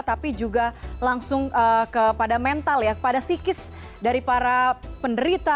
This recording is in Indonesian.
tapi juga langsung kepada mental ya kepada psikis dari para penderita